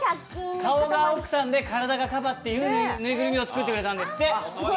顔が奥さんで、体がカバというぬいぐるみを作ってくれたんですって。